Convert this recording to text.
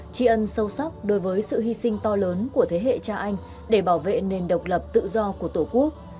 tri ân sâu sắc đối với sự hy sinh to lớn của thế hệ cha anh để bảo vệ nền độc lập tự do của tổ quốc